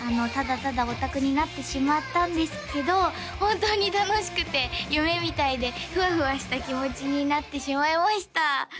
ただただオタクになってしまったんですけど本当に楽しくて夢みたいでフワフワした気持ちになってしまいました